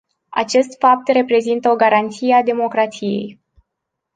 Acest fapt reprezintă o garanție a democrației.